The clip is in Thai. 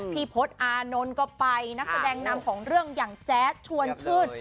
พศอานนท์ก็ไปนักแสดงนำของเรื่องอย่างแจ๊ดชวนชื่น